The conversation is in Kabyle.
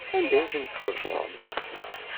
Anda ay ten-txellṣem?